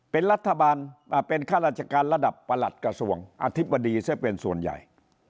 เป็นรัฐบาลเป็นข้าราชการระดับประหลัดกระทรวงอธิบดีซะเป็นส่วนใหญ่